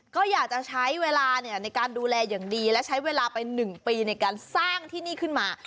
ก็อยากจะใช้เวลาในการดูแลอย่างดีและใช้เวลาไป๑ปีในการสร้างที่นี่ขึ้นมา